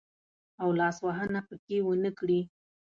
او لاس وهنه پکښې ونه کړي.